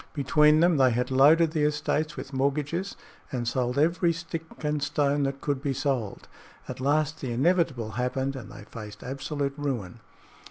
Between them they had loaded the estates with mortgages and sold every stick and stone that could be sold. At last the inevitable happened and they faced absolute ruin.